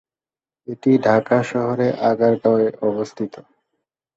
এটি ঢাকা শহরের আগারগাঁও-এ অবস্থিত।